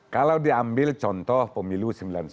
kalau diambil contoh pemilu seribu sembilan ratus sembilan puluh